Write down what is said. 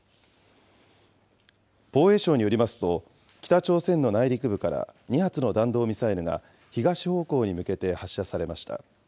防衛省によりますと、北朝鮮の内陸部から２発の弾道ミサイルが東方向に向けて発射されました。